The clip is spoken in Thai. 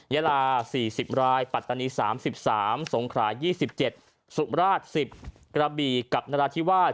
เยลา๔๐รายปัตตานี๓๓รายสงขระ๒๗รายสุรราช๑๐รายกระบีกับนราธิวาส